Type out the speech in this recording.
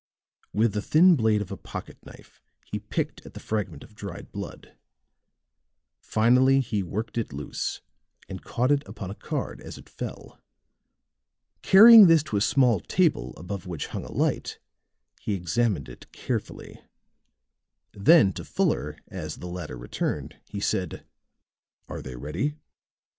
With the thin blade of a pocket knife he picked at the fragment of dried blood; finally he worked it loose and caught it upon a card as it fell. Carrying this to a small table above which hung a light, he examined it carefully. Then to Fuller, as the latter returned, he said: "Are they ready?"